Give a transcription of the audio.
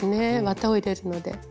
綿を入れるので。